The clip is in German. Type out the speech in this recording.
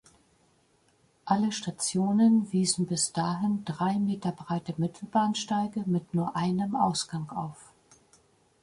Alle Stationen wiesen bis dahin drei Meter breite Mittelbahnsteige mit nur einem Ausgang auf.